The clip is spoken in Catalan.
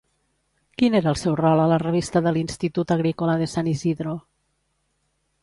Quin era el seu rol a la revista de l'Institut Agricola de San Isidro?